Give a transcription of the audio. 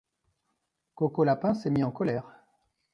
Coco Lapin s'est mis en colère.